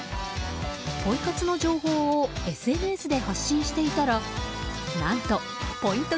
ポイ活の情報をＳＮＳで発信していたら何と、ポイント